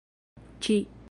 ĉi